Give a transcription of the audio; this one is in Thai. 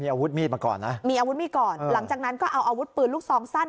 อาวุธมีดมาก่อนนะมีอาวุธมีดก่อนหลังจากนั้นก็เอาอาวุธปืนลูกซองสั้น